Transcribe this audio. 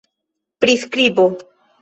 priskribo